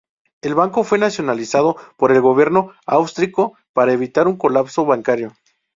El banco fue nacionalizado por el gobierno austríaco para evitar un colapso bancario.